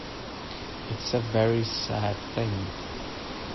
It's a very sad thing.